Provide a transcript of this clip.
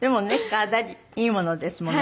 体にいいものですものね。